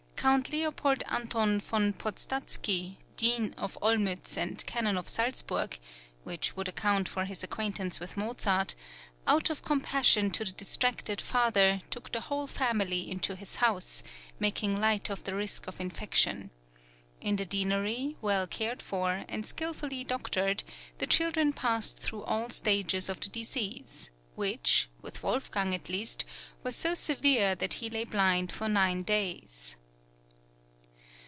Count Leopold Anton von Podstatzky, Dean of Olmütz and Canon of Salzburg (which would account for his acquaintance with Mozart), out of compassion to the distracted father, took the whole family into his house, making light of the risk of infection. In the deanery, well cared for, and skilfully doctored, the children passed through all stages of the disease, which, with Wolfgang at least, was so severe, that he lay blind for nine days.